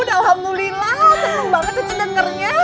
alhamdulillah seneng banget cici dengernya